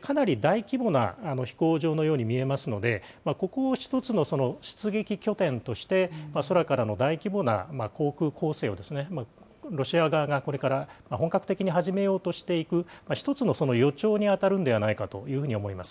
かなり大規模な飛行場のように見えますので、ここを一つの出撃拠点として空からの大規模な航空攻勢をロシア側がこれから本格的に始めようとしていく一つの予兆に当たるんではないかと思います。